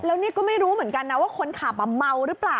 แล้วนี่ก็ไม่รู้เหมือนกันนะว่าคนขับเมาหรือเปล่า